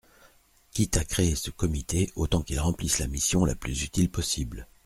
Quitte à créer ce comité, autant qu’il remplisse la mission la plus utile possible.